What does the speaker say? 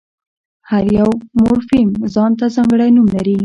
هر یو مورفیم ځان ته ځانګړی نوم لري.